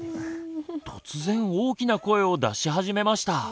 突然大きな声を出し始めました。